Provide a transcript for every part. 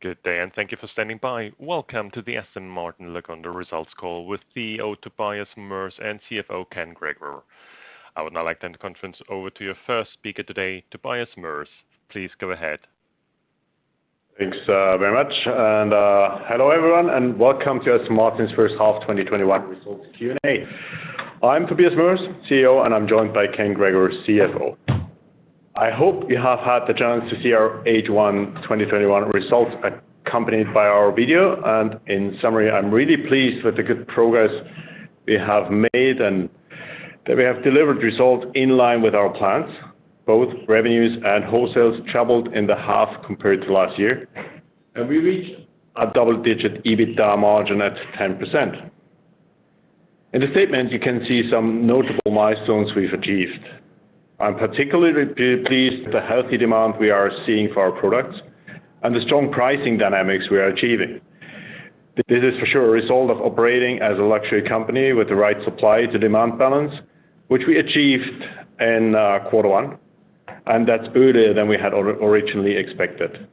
Good day, and thank you for standing by. Welcome to the Aston Martin Lagonda results call with CEO Tobias Moers and CFO Ken Gregor. I would now like to hand the conference over to your first speaker today, Tobias Moers. Please go ahead. Thanks very much, hello everyone, and welcome to Aston Martin's Q1 2021 results Q&A. I'm Tobias Moers, CEO, and I'm joined by Ken Gregor, CFO. I hope you have had the chance to see our H1 2021 results accompanied by our video. In summary, I'm really pleased with the good progress we have made and that we have delivered results in line with our plans. Both revenues and wholesales tripled in the half compared to last year, and we reached a double-digit EBITDA margin at 10%. In the statement, you can see some notable milestones we've achieved. I'm particularly pleased with the healthy demand we are seeing for our products and the strong pricing dynamics we are achieving. This is for sure a result of operating as a luxury company with the right supply to demand balance, which we achieved in quarter one, and that's earlier than we had originally expected.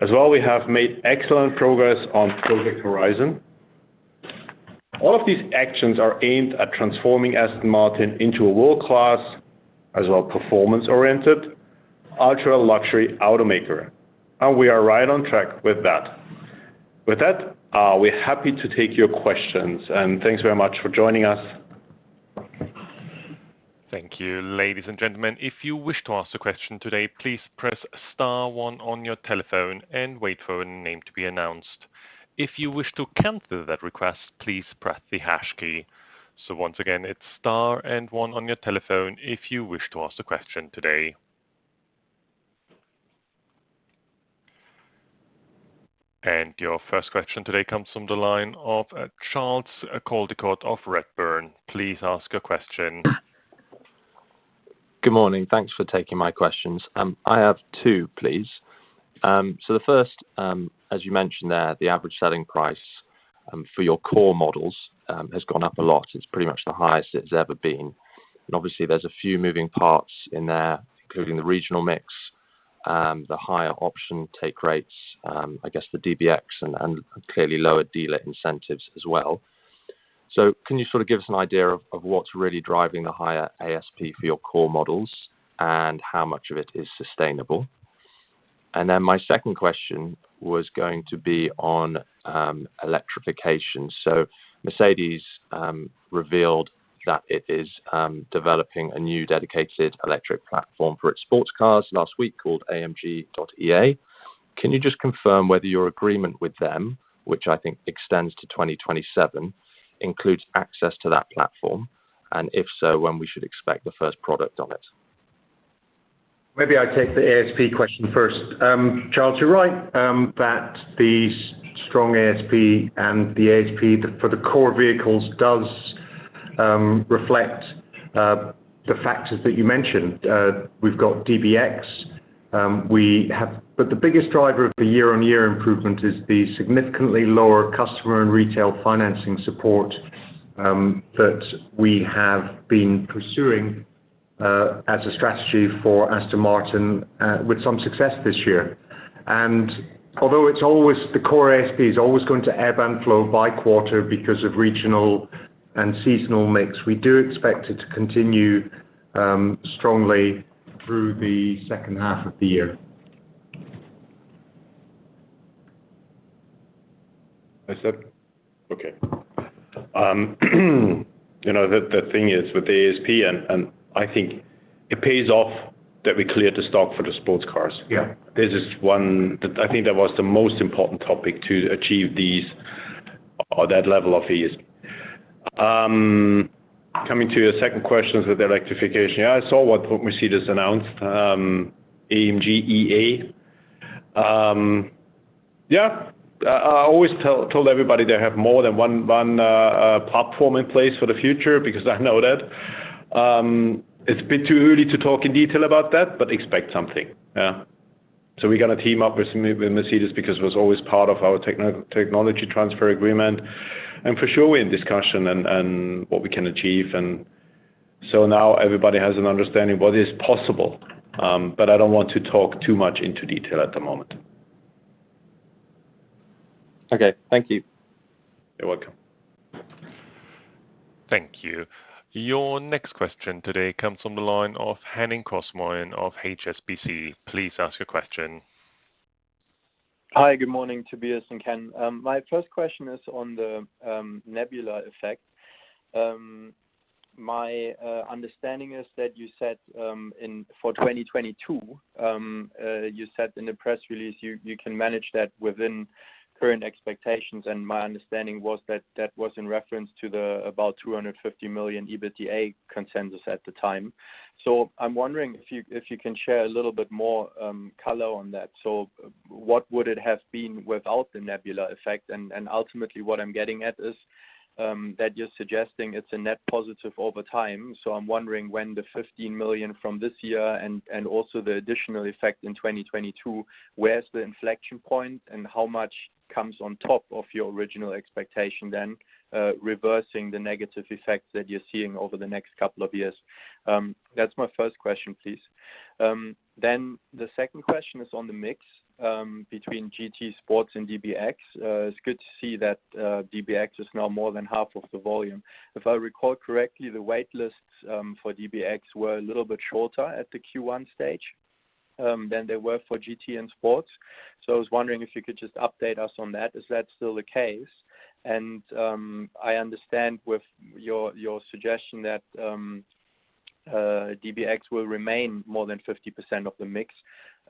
As well, we have made excellent progress on Project Horizon. All of these actions are aimed at transforming Aston Martin into a world-class, as well performance-oriented, ultra-luxury automaker, and we are right on track with that. With that, we're happy to take your questions, and thanks very much for joining us. Thank you. Ladies and gentlemen. Your first question today comes from the line of Charles Caldicott of Redburn. Please ask your question. Good morning. Thanks for taking my questions. I have two, please. The first, as you mentioned there, the average selling price for your core models has gone up a lot. It's pretty much the highest it's ever been. Obviously there's a few moving parts in there, including the regional mix, the higher option take rates, I guess the DBX, and clearly lower dealer incentives as well. Can you give us an idea of what's really driving the higher ASP for your core models, and how much of it is sustainable? My second question was going to be on electrification. Mercedes-Benz revealed that it is developing a new dedicated electric platform for its sports cars last week called AMG.EA. Can you just confirm whether your agreement with them, which I think extends to 2027, includes access to that platform? If so, when we should expect the first product on it? Maybe I take the ASP question first. Charles, you are right that the strong ASP and the ASP for the core vehicles does reflect the factors that you mentioned. We have got DBX. The biggest driver of the year-on-year improvement is the significantly lower customer and retail financing support that we have been pursuing as a strategy for Aston Martin with some success this year. Although the core ASP is always going to ebb and flow by quarter because of regional and seasonal mix, we do expect it to continue strongly through the Q2 of the year. I said? Okay. The thing is with the ASP, I think it pays off that we cleared the stock for the sports cars. Yeah. I think that was the most important topic to achieve that level of ASP. Coming to your second questions with electrification. Yeah, I saw what Mercedes-Benz announced, AMG.EA. Yeah, I always told everybody they have more than one platform in place for the future because I know that. It's a bit too early to talk in detail about that, but expect something. Yeah. We're going to team up with Mercedes-Benz because it was always part of our technology transfer agreement. For sure, we're in discussion and what we can achieve. Now everybody has an understanding what is possible. I don't want to talk too much into detail at the moment. Okay. Thank you. You're welcome. Thank you. Your next question today comes from the line of Henning Kosmehl of HSBC. Please ask your question. Hi, good morning, Tobias and Ken. My first question is on the Nebula effect. My understanding is that you said for 2022, you said in the press release you can manage that within current expectations, and my understanding was that that was in reference to the about 250 million EBITDA consensus at the time. I'm wondering if you can share a little bit more color on that. What would it have been without the Nebula effect? Ultimately what I'm getting at is that you're suggesting it's a net positive over time. I'm wondering when the 15 million from this year and also the additional effect in 2022, where's the inflection point, and how much comes on top of your original expectation then, reversing the negative effect that you're seeing over the next couple of years? That's my first question, please. The second question is on the mix between GT, Sports, and DBX. It's good to see that DBX is now more than half of the volume. If I recall correctly, the wait lists for DBX were a little bit shorter at the Q1 stage than they were for GT and Sports. I was wondering if you could just update us on that. Is that still the case? I understand with your suggestion that DBX will remain more than 50% of the mix.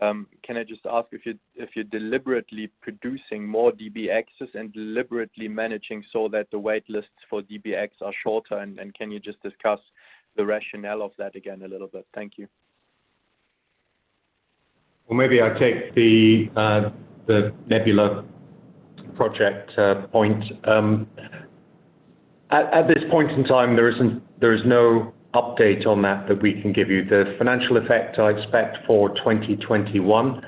Can I just ask if you're deliberately producing more DBXs and deliberately managing so that the wait lists for DBX are shorter, and can you just discuss the rationale of that again a little bit? Thank you. Maybe I'll take the Nebula Project point. At this point in time, there is no update on that that we can give you. The financial effect I expect for 2021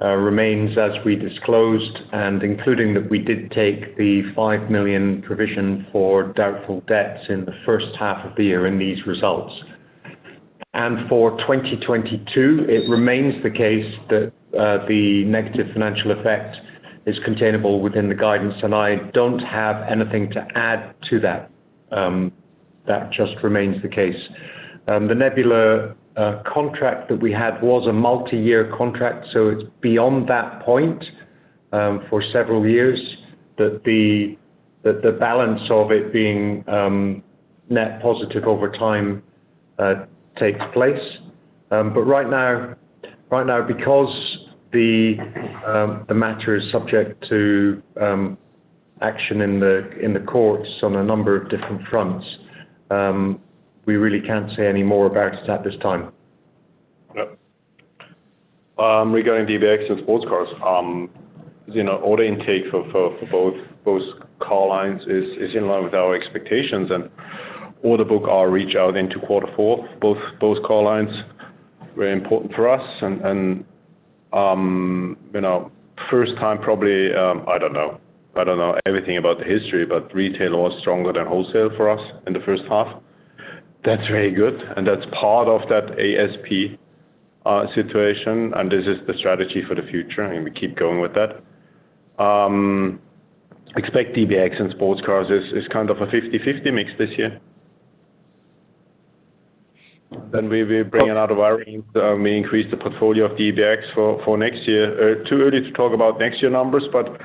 remains as we disclosed, and including that we did take the 5 million provision for doubtful debts in the Q1 of the year in these results. For 2022, it remains the case that the negative financial effect is containable within the guidance, and I don't have anything to add to that. That just remains the case. The Nebula contract that we had was a multi-year contract, so it's beyond that point, for several years, that the balance of it being net positive over time takes place. Right now, because the matter is subject to action in the courts on a number of different fronts, we really can't say any more about it at this time. Yep. Regarding DBX and sports cars, order intake for both car lines is in line with our expectations, order book are reach out into quarter four. Both car lines very important for us. First time probably, I don't know everything about the history, but retail was stronger than wholesale for us in the Q1. That's very good, and that's part of that ASP situation, and this is the strategy for the future, and we keep going with that. Expect DBX and sports cars as kind of a 50/50 mix this year. We bring another variant, we increase the portfolio of DBX for next year. Too early to talk about next year numbers, but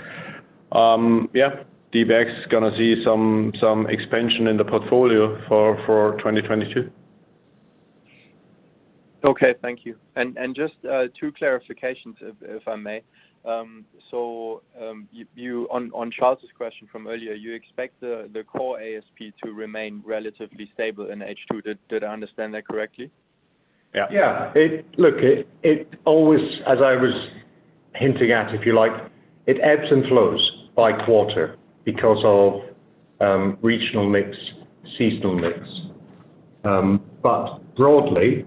yeah, DBX is going to see some expansion in the portfolio for 2022. Okay, thank you. Just two clarifications, if I may. On Charles' question from earlier, you expect the core ASP to remain relatively stable in H2. Did I understand that correctly? Yeah. Yeah. Look, as I was hinting at, if you like, it ebbs and flows by quarter because of regional mix, seasonal mix. Broadly,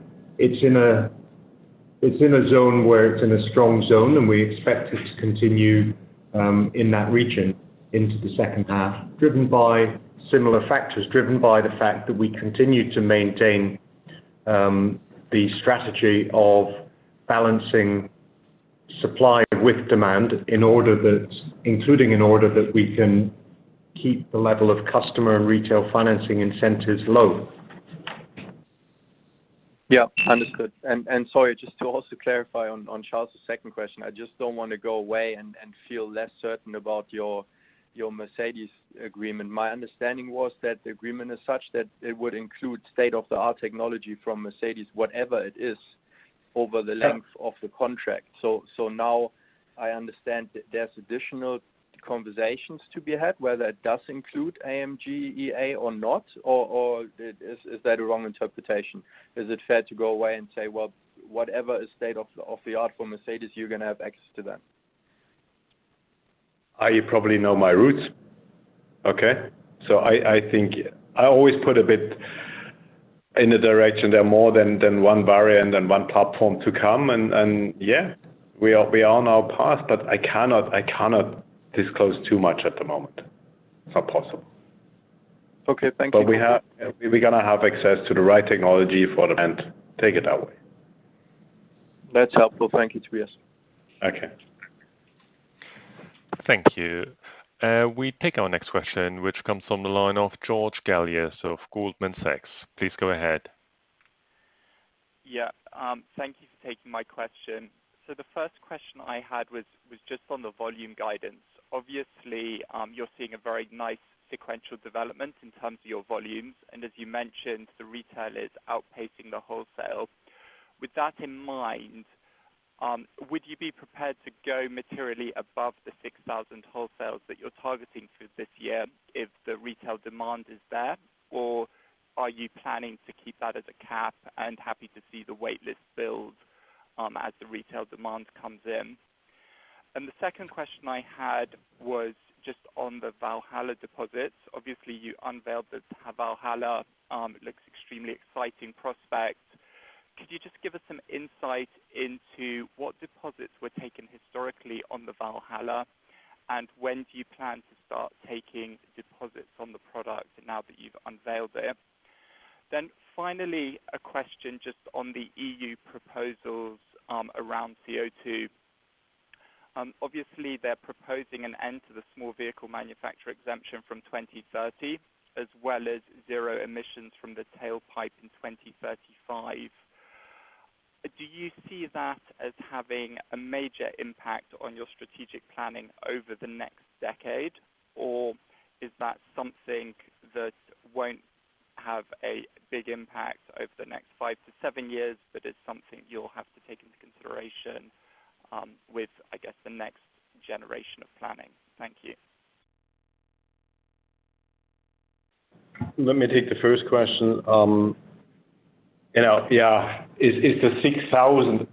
it's in a zone where it's in a strong zone, and we expect it to continue in that region into the Q2, driven by similar factors, driven by the fact that we continue to maintain the strategy of balancing supply with demand, including in order that we can keep the level of customer and retail financing incentives low. Yeah, understood. Sorry, just to also clarify on Charles' second question, I just don't want to go away and feel less certain about your Mercedes-Benz agreement. My understanding was that the agreement is such that it would include state-of-the-art technology from Mercedes-Benz, whatever it is, over the length of the contract. Now I understand that there's additional conversations to be had, whether it does include AMG.EA or not, or is that a wrong interpretation? Is it fair to go away and say, "Well, whatever is state-of-the-art for Mercedes-Benz, you're going to have access to that"? You probably know my roots, okay? I always put a bit in the direction there are more than one variant and one platform to come, yeah, we are on our path, but I cannot disclose too much at the moment. It's not possible. Okay. Thank you. We going to have access to the right technology for the end. Take it that way. That's helpful. Thank you, Tobias. Okay. Thank you. We take our next question, which comes from the line of George Galliers of Goldman Sachs. Please go ahead. Thank you for taking my question. The first question I had was just on the volume guidance. Obviously, you're seeing a very nice sequential development in terms of your volumes, and as you mentioned, the retail is outpacing the wholesale. With that in mind, would you be prepared to go materially above the 6,000 wholesales that you're targeting for this year if the retail demand is there, or are you planning to keep that as a cap and happy to see the wait list build as the retail demand comes in? The second question I had was just on the Valhalla deposits. Obviously, you unveiled the Valhalla. It looks extremely exciting prospect. Could you just give us some insight into what deposits were taken historically on the Valhalla? When do you plan to start taking deposits on the product now that you've unveiled it? Finally, a question just on the EU proposals around CO2. Obviously, they're proposing an end to the small vehicle manufacturer exemption from 2030, as well as zero emissions from the tailpipe in 2035. Do you see that as having a major impact on your strategic planning over the next decade? Or is that something that won't have a big impact over the next five to seven years, but it's something you'll have to take into consideration with, I guess, the next generation of planning? Thank you. Let me take the first question. Is the 6,000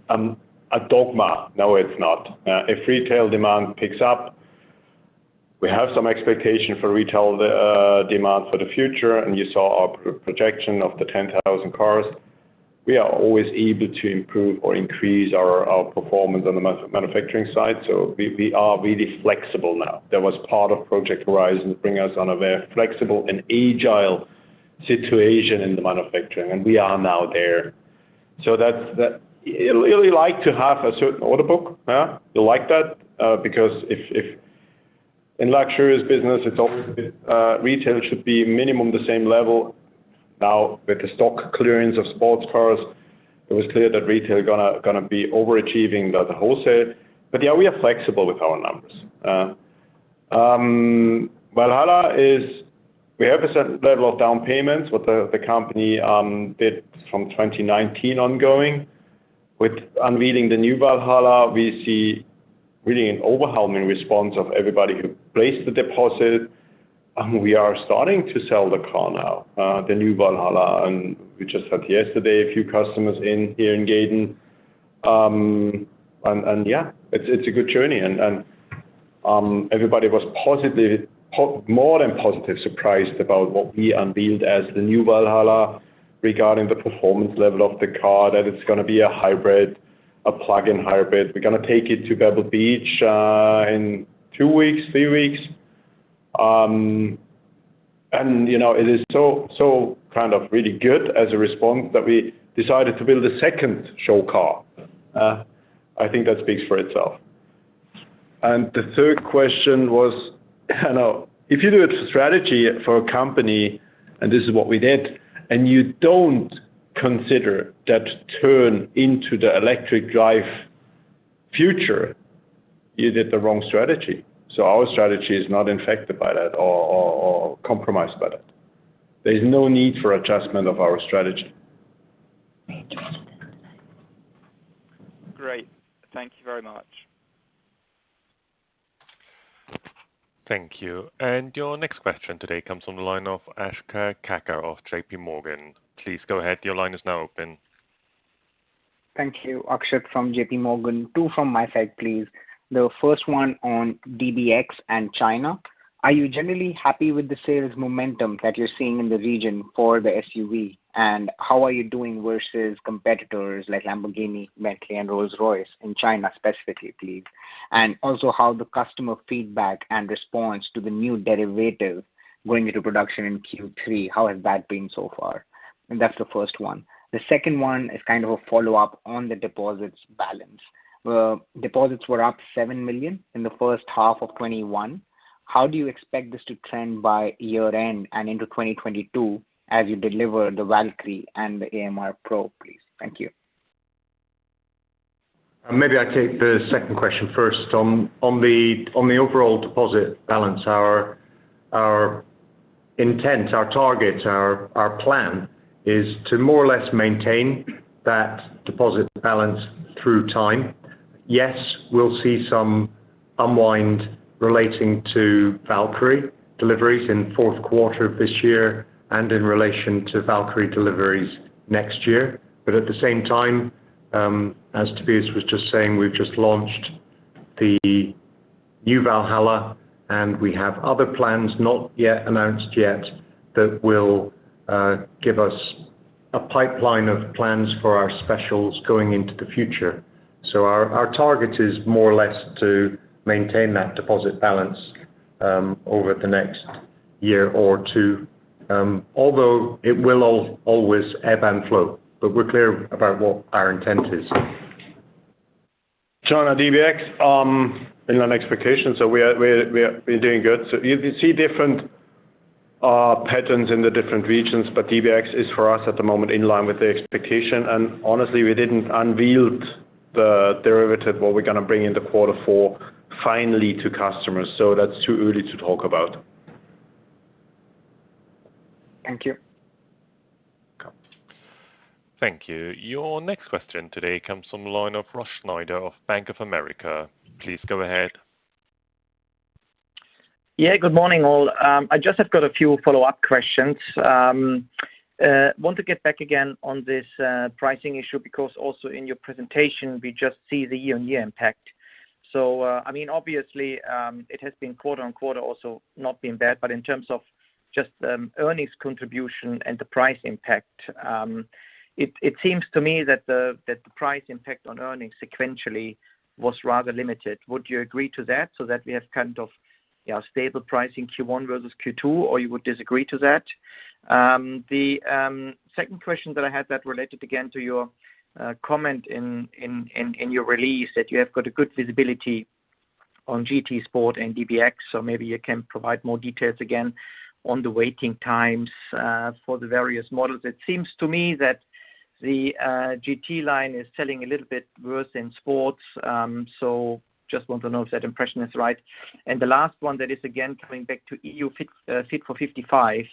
a dogma? No, it's not. If retail demand picks up, we have some expectation for retail demand for the future, you saw our projection of the 10,000 cars. We are always able to improve or increase our performance on the manufacturing side. We are really flexible now. That was part of Project Horizon, to bring us on a very flexible and agile situation in the manufacturing. We are now there. You really like to have a certain order book. You like that because in luxurious business, retail should be minimum the same level. Now, with the stock clearance of sports cars, it was clear that retail are going to be overachieving the wholesale. We are flexible with our numbers. Valhalla, we have a certain level of down payments with the company did from 2019 ongoing. With unveiling the new Valhalla, we see really an overwhelming response of everybody who placed the deposit. We are starting to sell the car now, the new Valhalla, and we just had yesterday a few customers in here in Gaydon. It's a good journey and everybody was more than positive surprised about what we unveiled as the new Valhalla, regarding the performance level of the car, that it's going to be a hybrid, a plug-in hybrid. We're going to take it to Pebble Beach in two weeks, three weeks. It is so kind of really good as a response that we decided to build a second show car. I think that speaks for itself. The third question was, if you do a strategy for a company, and this is what we did, and you don't consider that turn into the electric drive future, you did the wrong strategy. Our strategy is not affected by that or compromised by that. There is no need for adjustment of our strategy. Great. Thank you very much. Thank you. Your next question today comes from the line of Akshat Kacker of J.P. Morgan. Please go ahead. Your line is now open. Thank you. Akshat from J.P. Morgan. Two from my side, please. The first one on DBX and China. Are you generally happy with the sales momentum that you're seeing in the region for the SUV? How are you doing versus competitors like Lamborghini, Bentley, and Rolls-Royce in China specifically, please? Also how the customer feedback and response to the new derivative going into production in Q3, how has that been so far? That's the first one. The second one is kind of a follow-up on the deposits balance, where deposits were up 7 million in the Q1 of 2021. How do you expect this to trend by year-end and into 2022 as you deliver the Valkyrie and the AMR Pro, please? Thank you. Maybe I take the second question first. On the overall deposit balance, our intent, our target, our plan is to more or less maintain that deposit balance through time. Yes, we'll see some unwind relating to Valkyrie deliveries in fourth quarter of this year and in relation to Valkyrie deliveries next year. At the same time, as Tobias was just saying, we've just launched the new Valhalla, and we have other plans not yet announced yet that will give us a pipeline of plans for our specials going into the future. Our target is more or less to maintain that deposit balance over the next year or two. Although it will always ebb and flow, but we're clear about what our intent is. China DBX in line expectation, so we are doing good. You see different patterns in the different regions, but DBX is for us at the moment in line with the expectation. Honestly, we didn't unveil the derivative, what we're going to bring in the quarter four finally to customers. That's too early to talk about. Thank you. No. Thank you. Your next question today comes from the line of Ross Schneider of Bank of America. Please go ahead. Yeah, good morning, all. I just have got a few follow-up questions. I want to get back again on this pricing issue, because also in your presentation, we just see the year-on-year impact. I mean, obviously, it has been quarter-on-quarter also not been bad, but in terms of Just the earnings contribution and the price impact. It seems to me that the price impact on earnings sequentially was rather limited. Would you agree to that, so that we have kind of stable pricing Q1 versus Q2? You would disagree to that? The second question that I had that related again to your comment in your release, that you have got a good visibility on GT Sport and DBX, maybe you can provide more details again on the waiting times for the various models. It seems to me that the GT line is selling a little bit worse than sports. Just want to know if that impression is right. The last one that is again coming back to EU Fit for 55,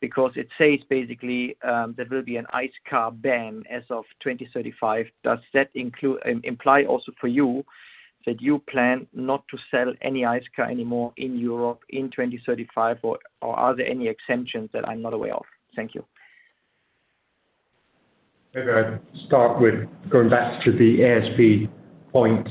because it says basically there will be an ICE car ban as of 2035. Does that imply also for you that you plan not to sell any ICE car anymore in Europe in 2035? Are there any exemptions that I'm not aware of? Thank you. Maybe I start with going back to the ASP point.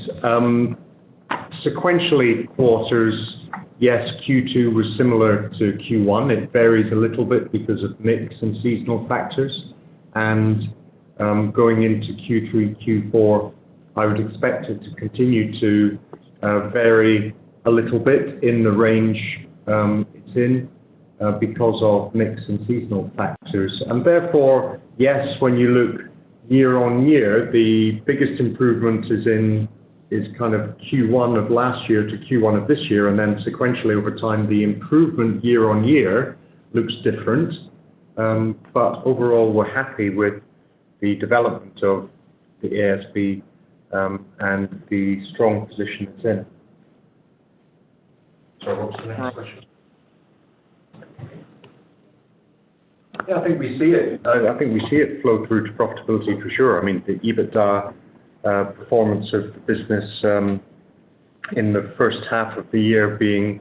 Sequentially quarters, yes, Q2 was similar to Q1. It varies a little bit because of mix and seasonal factors. Going into Q3, Q4, I would expect it to continue to vary a little bit in the range it's in, because of mix and seasonal factors. Therefore, yes, when you look year-on-year, the biggest improvement is kind of Q1 of last year to Q1 of this year, then sequentially over time, the improvement year-on-year looks different. Overall, we're happy with the development of the ASP, and the strong position it's in. Sorry, what was the next question? Yeah, I think we see it flow through to profitability for sure. The EBITDA performance of the business in the Q1 of the year being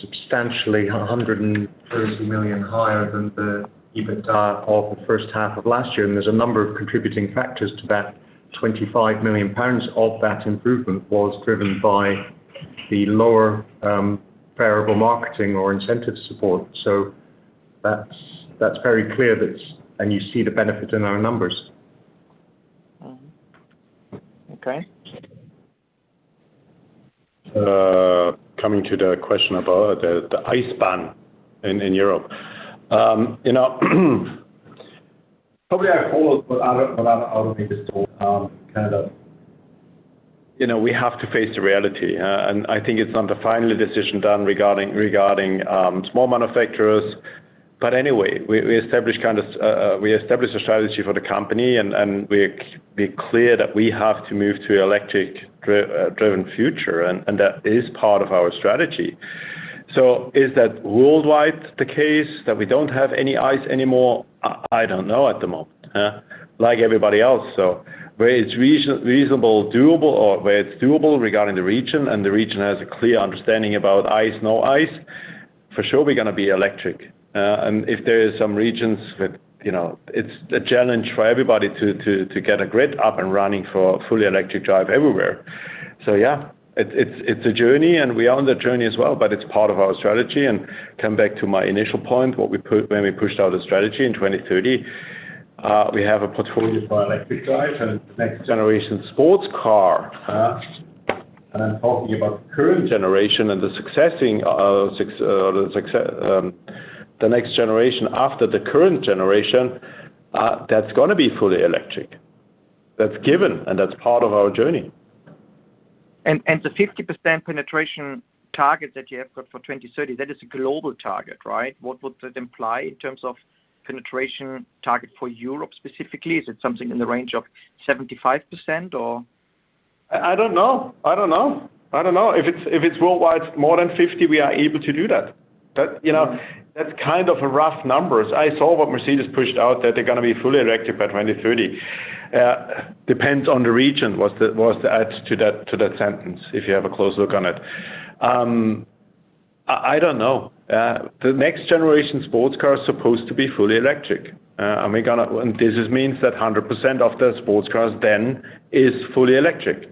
substantially 130 million higher than the EBITDA of the Q1 of last year. There's a number of contributing factors to that 25 million pounds of that improvement was driven by the lower variable marketing or incentive support. That's very clear, and you see the benefit in our numbers. Okay. Coming to the question about the ICE ban in Europe. Probably I call it what I would make it all, kind of we have to face the reality, and I think it's not the final decision done regarding small manufacturers. Anyway, we establish a strategy for the company and we are clear that we have to move to electric-driven future, and that is part of our strategy. Is that worldwide the case that we don't have any ICE anymore? I don't know at the moment. Like everybody else, where it's reasonable, doable, or where it's doable regarding the region and the region has a clear understanding about ICE, no ICE, for sure we're going to be electric. If there is some regions that it's a challenge for everybody to get a grid up and running for fully electric drive everywhere. Yeah, it's a journey and we are on the journey as well, but it's part of our strategy. Come back to my initial point, when we pushed out a strategy in 2030, we have a portfolio for electric drive and next generation sports car. I'm talking about the current generation and the next generation after the current generation, that's going to be fully electric. That's given and that's part of our journey. The 50% penetration target that you have got for 2030, that is a global target, right? What would that imply in terms of penetration target for Europe specifically? Is it something in the range of 75% or? I don't know. If it's worldwide more than 50, we are able to do that. That's kind of a rough numbers. I saw what Mercedes-Benz pushed out that they're going to be fully electric by 2030. "Depends on the region" was the add to that sentence, if you have a close look on it. I don't know. The next generation sports car is supposed to be fully electric. This just means that 100% of the sports cars then is fully electric.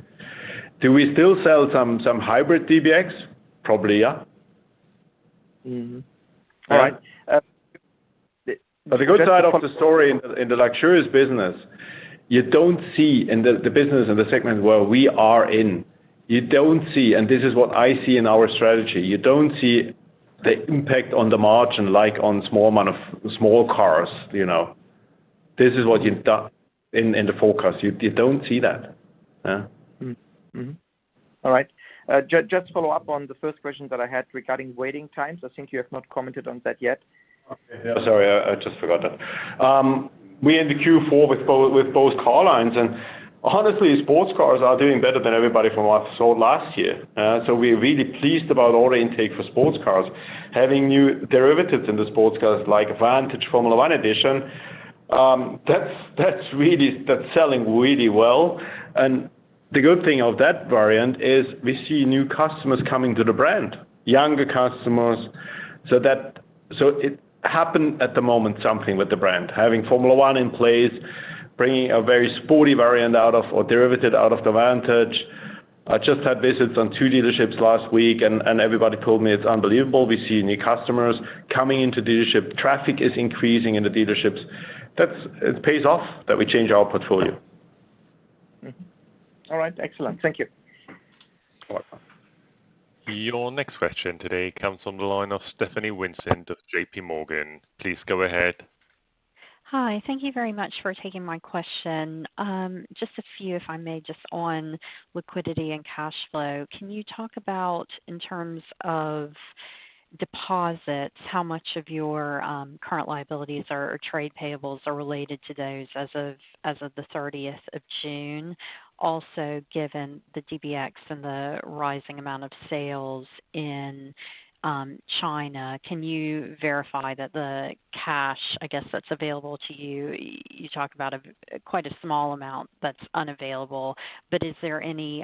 Do we still sell some hybrid DBX? Probably, yeah. Mm-hmm. The good side of the story in the luxurious business, you don't see in the business and the segment where we are in, you don't see, and this is what I see in our strategy, you don't see the impact on the margin, like on small cars. This is what you've done in the forecast. You don't see that. Mm-hmm. All right. Just follow up on the first question that I had regarding waiting times. I think you have not commented on that yet. Okay. Sorry, I just forgot that. We end the Q4 with both car lines, honestly, sports cars are doing better than everybody from what sold last year. We're really pleased about order intake for sports cars. Having new derivatives in the sports cars like Vantage F1 Edition, that's selling really well. The good thing of that variant is we see new customers coming to the brand, younger customers. It happened at the moment, something with the brand. Having Formula 1 in place, bringing a very sporty variant out of or derivative out of the Vantage I just had visits on two dealerships last week and everybody told me it's unbelievable. We see new customers coming into dealership. Traffic is increasing in the dealerships. It pays off that we change our portfolio. All right. Excellent. Thank you. Welcome. Your next question today comes on the line of Stephanie Sherbourne of J.P. Morgan. Please go ahead. Hi. Thank you very much for taking my question. Just a few, if I may, just on liquidity and cash flow. Can you talk about, in terms of deposits, how much of your current liabilities or trade payables are related to those as of the 30th of June? Also, given the DBX and the rising amount of sales in China, can you verify that the cash, I guess that's available to you talk about quite a small amount that's unavailable, but is there any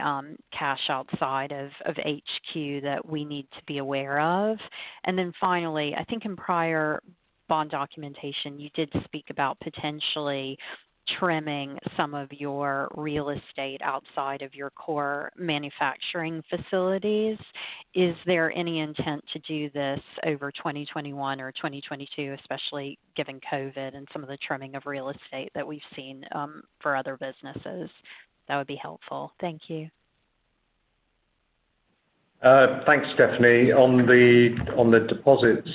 cash outside of HQ that we need to be aware of? Then finally, I think in prior bond documentation, you did speak about potentially trimming some of your real estate outside of your core manufacturing facilities. Is there any intent to do this over 2021 or 2022, especially given COVID and some of the trimming of real estate that we've seen for other businesses? That would be helpful. Thank you. Thanks, Stephanie. On the deposits,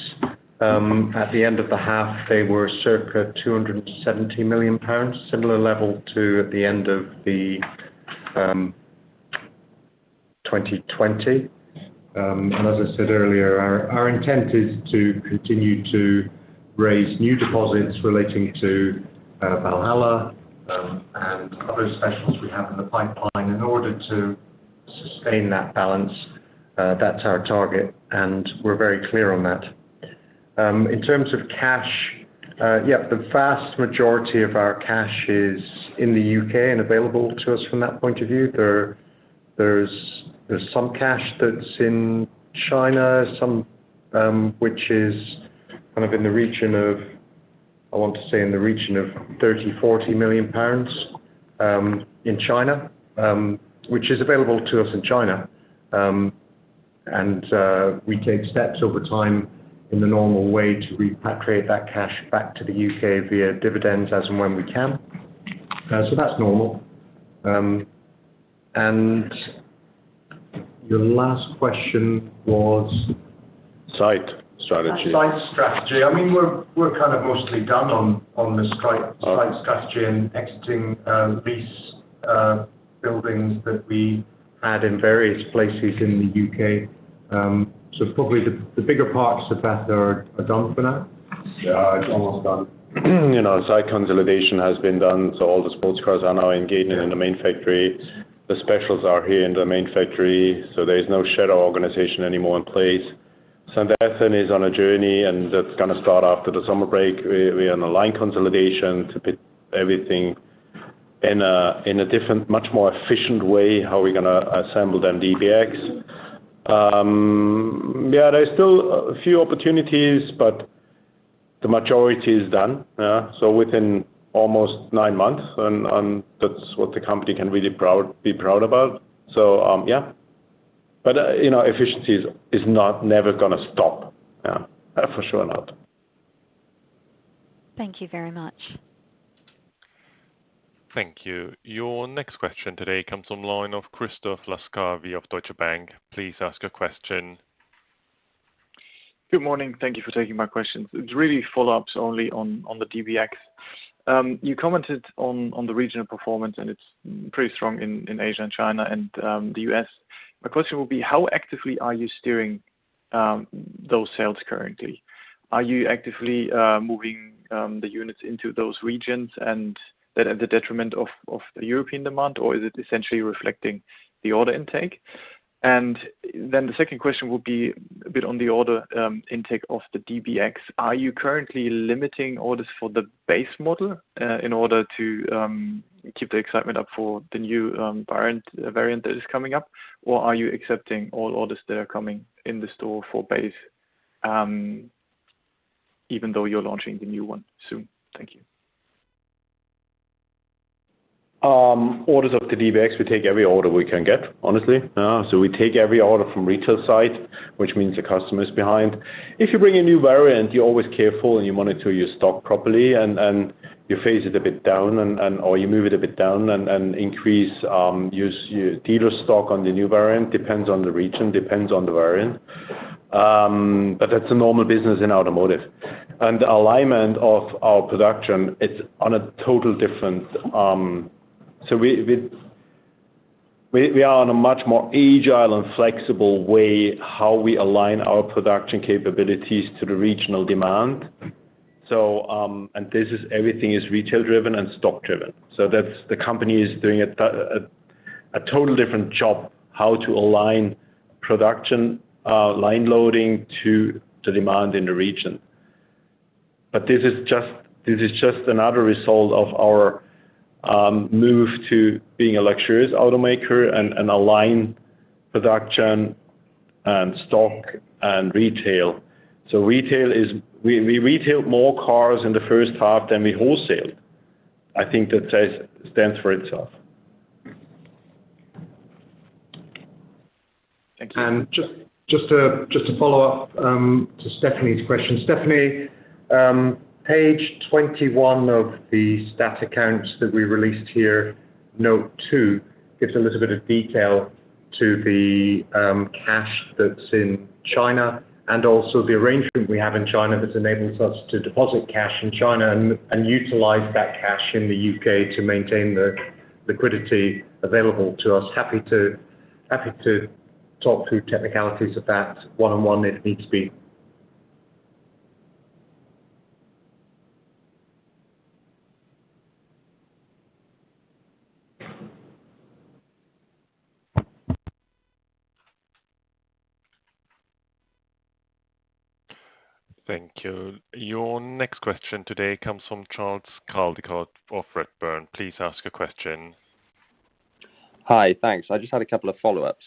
at the end of the half, they were circa 270 million pounds, similar level to at the end of the 2020. As I said earlier, our intent is to continue to raise new deposits relating to Valhalla and other specials we have in the pipeline in order to sustain that balance. That's our target, and we're very clear on that. In terms of cash, yeah, the vast majority of our cash is in the U.K. and available to us from that point of view. There's some cash that's in China, which is in the region of, I want to say in the region of 30 million-40 million pounds in China, which is available to us in China. We take steps over time in the normal way to repatriate that cash back to the U.K. via dividends as and when we can. That's normal. Your last question was. Site strategy site strategy. We're kind of mostly done on the site strategy and exiting lease buildings that we had in various places in the U.K. Probably the bigger parts of that are done for now. Yeah, it's almost done. Site consolidation has been done. All the sports cars are now engaging in the main factory. The specials are here in the main factory. There is no shadow organization anymore in place. St. Athan is on a journey. That's going to start after the summer break. We are on a line consolidation to put everything in a different, much more efficient way how we're going to assemble the DBX. Yeah, there are still a few opportunities. The majority is done. Within almost nine months. That's what the company can really be proud about. Yeah. Efficiency is never going to stop. For sure not. Thank you very much. Thank you. Your next question today comes from the line of Christoph Laskowski of Deutsche Bank. Please ask a question. Good morning. Thank you for taking my questions. It's really follow-ups only on the DBX. You commented on the regional performance, it's pretty strong in Asia and China and the U.S. My question would be, how actively are you steering those sales currently? Are you actively moving the units into those regions and at the detriment of the European demand, or is it essentially reflecting the order intake? The second question would be a bit on the order intake of the DBX. Are you currently limiting orders for the base model in order to keep the excitement up for the new variant that is coming up, or are you accepting all orders that are coming in the store for base, even though you're launching the new one soon? Thank you. Orders of the DBX, we take every order we can get, honestly. We take every order from retail side, which means the customer's behind. If you bring a new variant, you're always careful and you monitor your stock properly, and you phase it a bit down or you move it a bit down and increase your dealer stock on the new variant, depends on the region, depends on the variant, but that's a normal business in automotive. The alignment of our production, we are on a much more agile and flexible way how we align our production capabilities to the regional demand. Everything is retail-driven and stock-driven. The company is doing a total different job, how to align production line loading to the demand in the region. This is just another result of our move to being a luxurious automaker and align production and stock and retail. We retailed more cars in the Q1 than we wholesaled I think that stands for itself. Thank you. Just to follow up to Stephanie's question. Stephanie, page 21 of the stat accounts that we released here, note two, gives a little bit of detail to the cash that's in China and also the arrangement we have in China that enables us to deposit cash in China and utilize that cash in the U.K. to maintain the liquidity available to us. Happy to talk through technicalities of that one-on-one if needs be. Thank you. Your next question today comes from Charles Caldicott of Redburn. Please ask a question. Hi. Thanks. I just had a couple of follow-ups.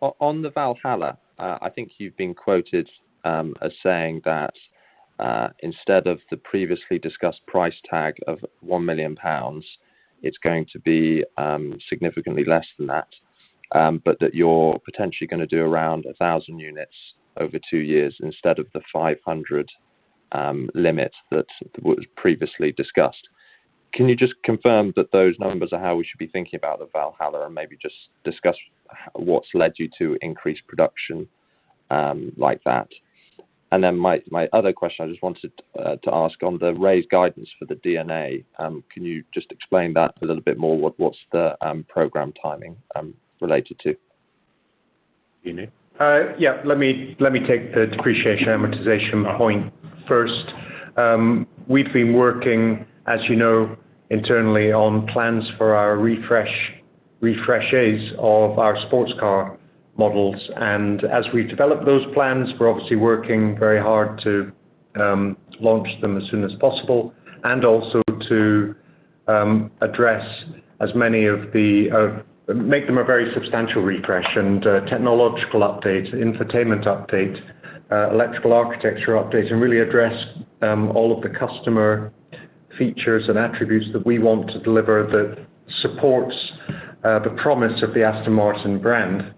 On the Valhalla, I think you've been quoted as saying that instead of the previously discussed price tag of 1 million pounds, it's going to be significantly less than that, but that you're potentially going to do around 1,000 units over two years instead of the 500 limit that was previously discussed. Can you just confirm that those numbers are how we should be thinking about the Valhalla, and maybe just discuss what's led you to increase production like that? My other question I just wanted to ask on the raised guidance for the D&A. Can you just explain that a little bit more? What's the program timing related to? Yeah. Let me take the depreciation amortization point first. We've been working, as you know, internally on plans for our refreshes of our sports car models. As we develop those plans, we're obviously working very hard to launch them as soon as possible and also to make them a very substantial refresh and technological update, infotainment update, electrical architecture update, and really address all of the customer features and attributes that we want to deliver that supports the promise of the Aston Martin brand.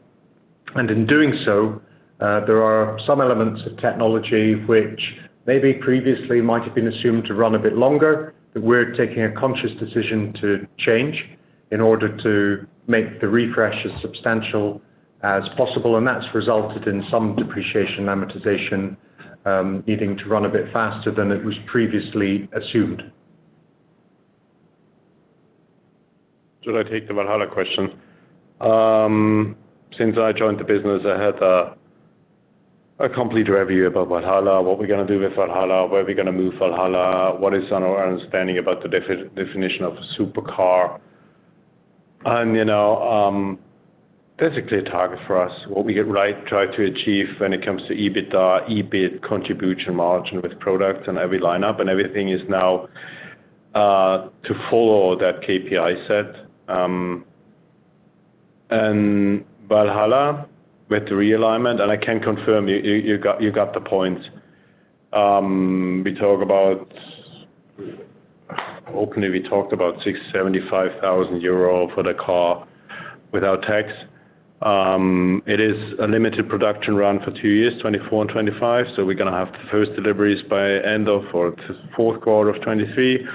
In doing so, there are some elements of technology which maybe previously might have been assumed to run a bit longer, that we're taking a conscious decision to change in order to make the refresh as substantial as possible. That's resulted in some depreciation amortization needing to run a bit faster than it was previously assumed. Should I take the Valhalla question? Since I joined the business, I had a complete review about Valhalla. What we're going to do with Valhalla, where we're going to move Valhalla, what is our understanding about the definition of a supercar. Basically, a target for us, what we try to achieve when it comes to EBITDA, EBIT contribution margin with products and every lineup and everything is now to follow that KPI set. Valhalla with the realignment, I can confirm, you got the point. Openly, we talked about 675,000 euro for the car without tax. It is a limited production run for two years, 2024 and 2025. We're going to have the first deliveries by end of fourth quarter of 2023.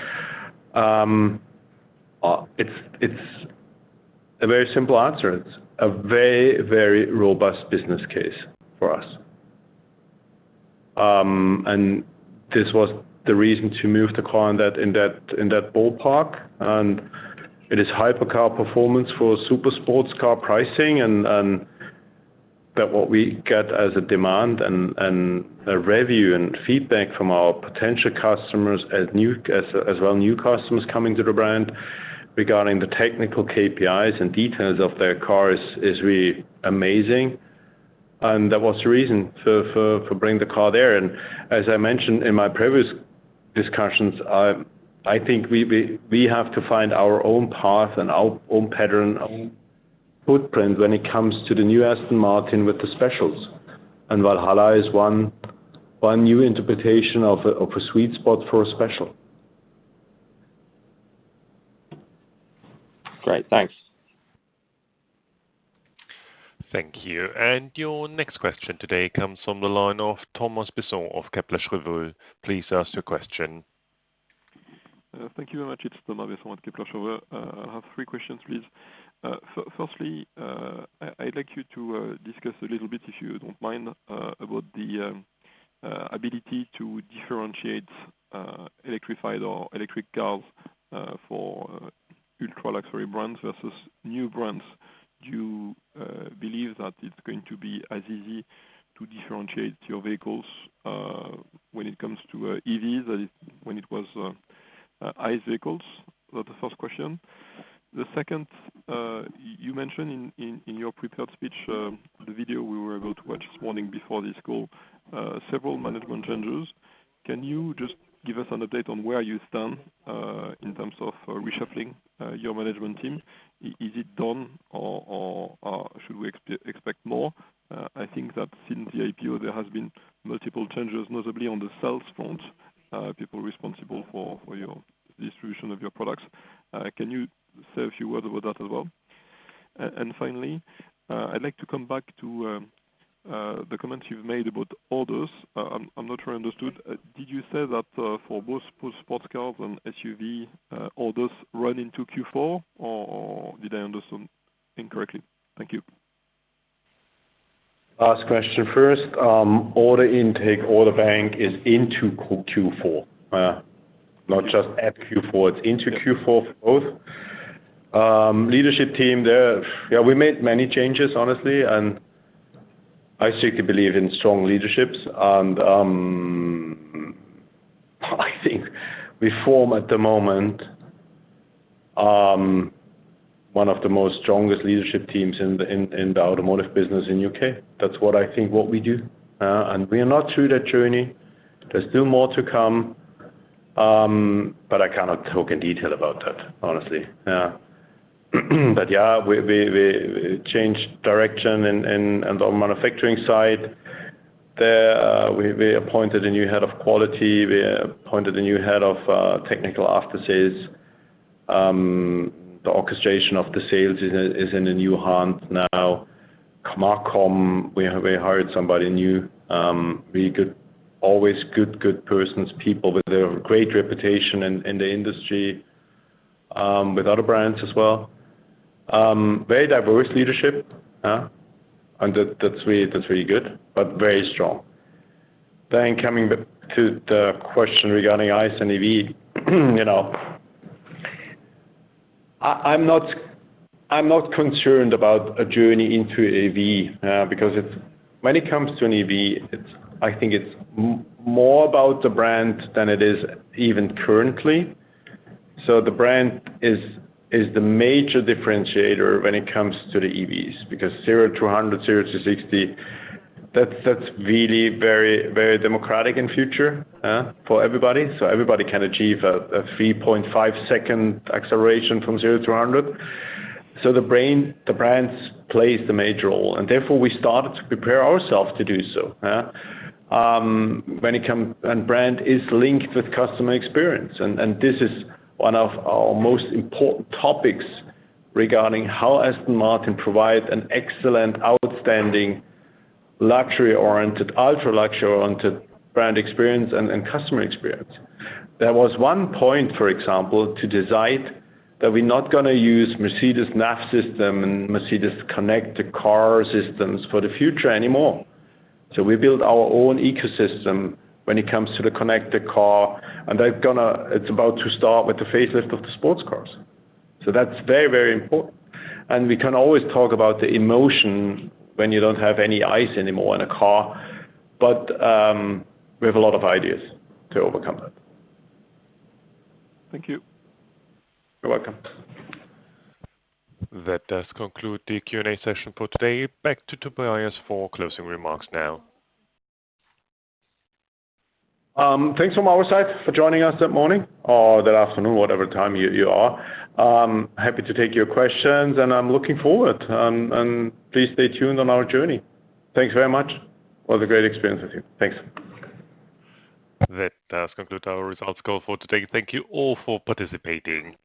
It's a very simple answer. It's a very robust business case for us. This was the reason to move the car in that ballpark. It is hypercar performance for super sports car pricing. That what we get as a demand and a review and feedback from our potential customers, as well, new customers coming to the brand regarding the technical KPIs and details of their cars is really amazing. That was the reason for bringing the car there. As I mentioned in my previous discussions, I think we have to find our own path and our own pattern, our own footprint when it comes to the new Aston Martin with the specials. Valhalla is one new interpretation of a sweet spot for a special. Great. Thanks. Thank you. Your next question today comes from the line of Thomas Besson of Kepler Cheuvreux. Please ask your question. Thank you very much. It's Thomas Besson of Kepler Cheuvreux. I have three questions, please. Firstly, I'd like you to discuss a little bit, if you don't mind, about the ability to differentiate electrified or electric cars for ultra-luxury brands versus new brands. Do you believe that it's going to be as easy to differentiate your vehicles when it comes to EVs than when it was ICE vehicles? That the first question. The second, you mentioned in your prepared speech, the video we were able to watch this morning before this call, several management changes. Can you just give us an update on where you stand in terms of reshuffling your management team? Is it done or should we expect more? I think that since the IPO, there has been multiple changes, notably on the sales front, people responsible for your distribution of your products. Can you say a few words about that as well? Finally, I'd like to come back to the comments you've made about orders. I'm not sure I understood. Did you say that for both sports cars and SUV orders run into Q4, or did I understand incorrectly? Thank you. Last question first. Order intake, order bank is into Q4. Not just at Q4, it's into Q4 for both. Leadership team there, yeah, we made many changes, honestly. I strictly believe in strong leaderships. I think we form, at the moment, one of the most strongest leadership teams in the automotive business in U.K. That's what I think what we do. We are not through that journey. There's still more to come, but I cannot talk in detail about that, honestly. Yeah. Yeah, we changed direction in the manufacturing side. We appointed a new head of quality. We appointed a new head of technical aftersales. The orchestration of the sales is in a new hand now. MarCom, we hired somebody new. Always good persons, people with a great reputation in the industry, with other brands as well. Very diverse leadership, and that's really good, but very strong. Coming back to the question regarding ICE and EV. I'm not concerned about a journey into EV, because when it comes to an EV, I think it's more about the brand than it is even currently. The brand is the major differentiator when it comes to the EVs because 0-100, 0-60, that's really very democratic in future for everybody. Everybody can achieve a 3.5-second acceleration from 0-100. The brand plays the major role, and therefore we started to prepare ourselves to do so. Brand is linked with customer experience, and this is one of our most important topics regarding how Aston Martin provides an excellent, outstanding, luxury-oriented, ultra-luxury-oriented brand experience and customer experience. There was one point, for example, to decide that we're not going to use Mercedes NAV system and Mercedes Connect car systems for the future anymore. We build our own ecosystem when it comes to the connected car, and it's about to start with the facelift of the sports cars. That's very important. We can always talk about the emotion when you don't have any ICE anymore in a car, but we have a lot of ideas to overcome that. Thank you. You're welcome. That does conclude the Q&A session for today. Back to Tobias for closing remarks now. Thanks from our side for joining us that morning or that afternoon, whatever time you are. Happy to take your questions and I'm looking forward, and please stay tuned on our journey. Thanks very much. It was a great experience with you. Thanks. That does conclude our results call for today. Thank you all for participating.